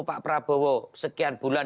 pak prabowo sekian bulan